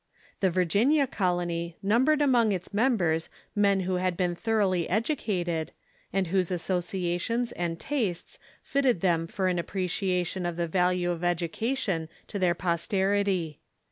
The Virginia colony numbered among its members men who had been thoroughly educated, and whose associa EfforTs"^ tions and tastes fitted them for an appreciation of the value of education to their posterity.